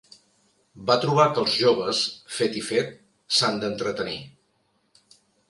Va trobar que els joves, fet i fet, s'han d'entretenir